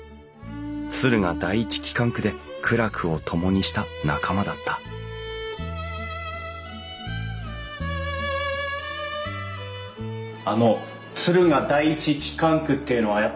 敦賀第一機関区で苦楽を共にした仲間だったあの敦賀第一機関区っていうのはやっぱりすごかったんですか？